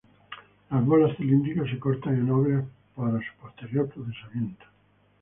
Las bolas cilíndricas se cortan en obleas para su posterior procesamiento.